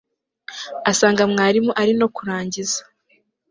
asanga mwarimu arino kurangiza